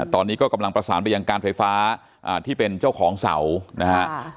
ตอนนี้ก็กำลังประสานไปยังการไฟฟ้าที่เป็นเจ้าของเสานะฮะ